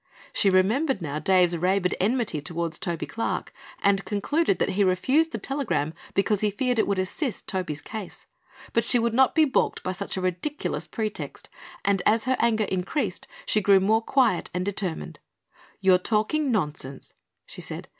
She remembered now Dave's rabid enmity toward Toby Clark and concluded that he refused the telegram because he feared it would assist Toby's case. But she would not be balked by such a ridiculous pretext and as her anger increased she grew more quiet and determined. "You're talking nonsense," she said.